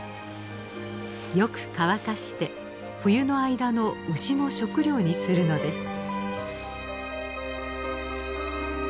よく乾かして冬の間の牛の食料にするのです。